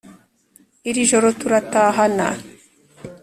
iri joro turatahana